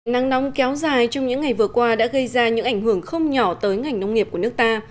nắng nóng kéo dài trong những ngày vừa qua đã gây ra những ảnh hưởng không nhỏ tới ngành nông nghiệp của nước ta